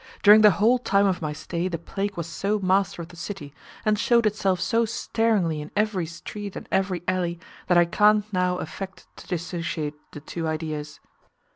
During the whole time of my stay the plague was so master of the city, and showed itself so staringly in every street and every alley, that I can't now affect to dissociate the two ideas.